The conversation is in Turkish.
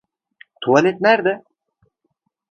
Tuvalet nerede?